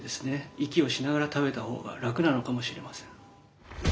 息をしながら食べた方が楽なのかもしれません。